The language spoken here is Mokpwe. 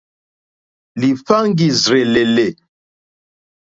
Lìhváŋgìrzèlèlè.